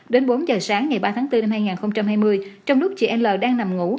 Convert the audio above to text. đến bốn giờ sáng ngày ba tháng bốn năm hai nghìn hai mươi trong lúc chị l đang nằm ngủ